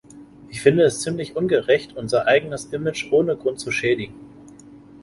Ich finde es ziemlich ungerecht, unser eigenes Image ohne Grund zu schädigen.